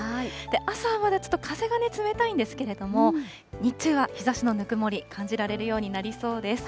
朝はちょっと風が冷たいんですけれども、日中は日ざしのぬくもり、感じられるようになりそうです。